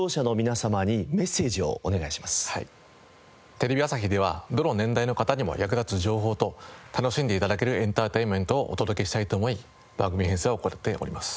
テレビ朝日ではどの年代の方にも役立つ情報と楽しんで頂けるエンターテインメントをお届けしたいと思い番組編成を行っております。